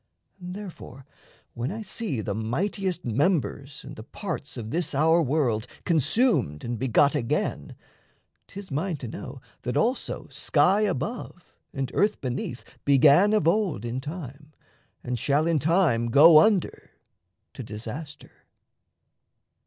And therefore when I see The mightiest members and the parts of this Our world consumed and begot again, 'Tis mine to know that also sky above And earth beneath began of old in time And shall in time go under to disaster.